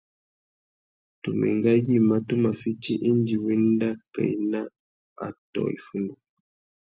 Tu mà enga yïmá tu má fiti indi wá enda kā ena atõh iffundu.